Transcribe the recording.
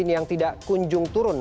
yang tidak kunjung turun